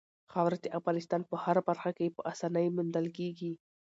خاوره د افغانستان په هره برخه کې په اسانۍ موندل کېږي.